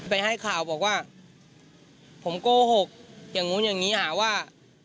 ให้ข่าวบอกว่าผมโกหกอย่างนู้นอย่างนี้หาว่า